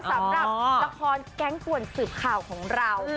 อ๋อหลักหลักละครแก๊งกุ่นสืบข่าวของเรา